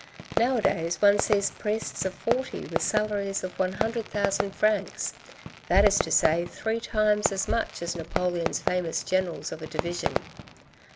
Nowadays, one sees priests of forty with salaries of 100,000 francs, that is to say, three times as much as Napoleon's famous generals of a division.